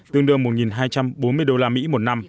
tương đương một hai trăm bốn mươi usd một năm